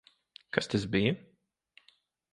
Kas tas bija?